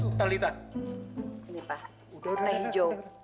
ini pak udah udah hijau